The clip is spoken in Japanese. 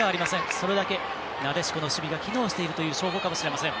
それだけなでしこの守備が機能しているという証拠かもしれません。